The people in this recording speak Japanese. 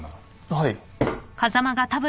はい。